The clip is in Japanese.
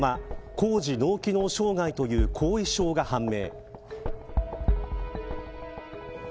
高次脳機能障害という後遺症が判明。